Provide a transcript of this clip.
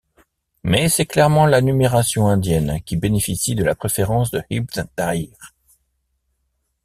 Mais c'est clairement la numération indienne qui bénéficie de la préférence de Ibn Tāhir.